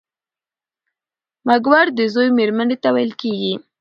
مږور د زوی مېرمني ته ويل کيږي.